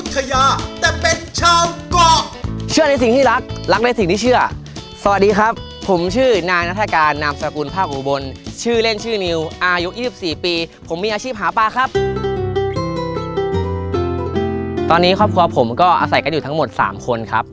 ตอนนี้ครอบครัวผมก็อาศัยกันอยู่ทั้งหมด๓คนครับ